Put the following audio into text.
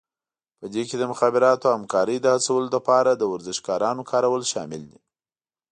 په دې کې د مخابراتو او همکارۍ هڅولو لپاره د ورزشکارانو کارول شامل دي